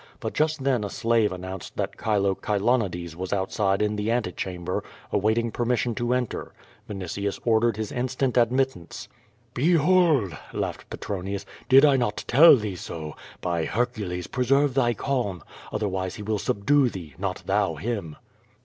But just then a slave announced that Chilo Chilo nides was outside in the ante chaml>er, awaiting permission to enter. Vinitius ordered his instant admittance. "Behold!" laughed Petronius. "Did I not tell thee so? By Hercules, preserve thy calm, otherwise he will subdue thee; not thou him."